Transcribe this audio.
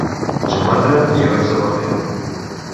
Sumatra i oest de Borneo.